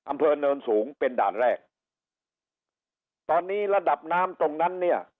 อำเภอเนินสูงเป็นด่านแรกตอนนี้ระดับน้ำตรงนั้นเนี่ย